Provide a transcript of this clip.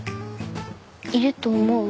いると思う？